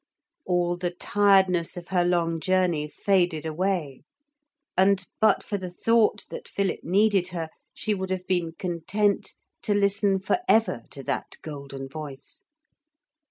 All the tiredness of her long journey faded away, and but for the thought that Philip needed her, she would have been content to listen for ever to that golden voice.